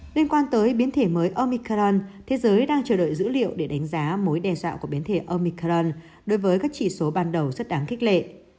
liên quan tới biến thể mới omicron thế giới đang chờ đợi dữ liệu để đánh giá mối đe dạo của biến thể omicron đối với các chỉ số ban đầu rất đáng kích lệ